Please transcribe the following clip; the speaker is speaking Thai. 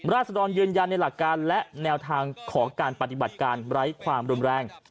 ราศดรยืนยันในหลักการและแนวทางของการปฏิบัติการไร้ความรุนแรง